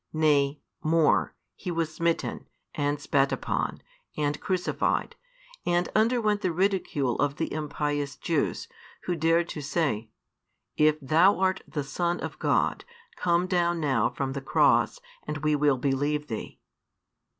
Nay, more, He was smitten, and spat upon, and crucified, and underwent the ridicule of the impious Jews, who dared to say, If Thou art the Son of God, come down now from the cross, and we will believe Thee.